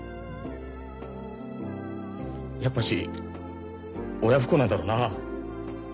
やっぱし親不孝なんだろうなあ。